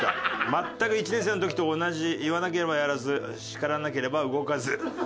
「まったく１年生の時と同じいわなければやらずしからなければ動かず」